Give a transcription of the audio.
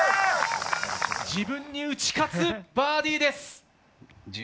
自分に打ち勝つバーディーです！